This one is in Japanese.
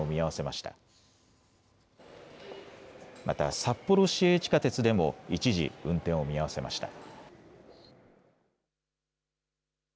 また札幌市営地下鉄でも、一時運転を見合わせました。